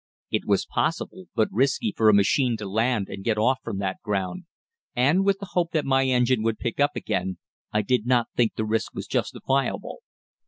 It was possible, but risky, for a machine to land and get off from that ground, and, with the hope that my engine would pick up again, I did not think the risk was justifiable.